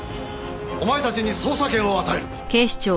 お前たちに捜査権を与える。